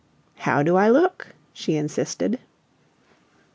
"How do I look?" she insisted.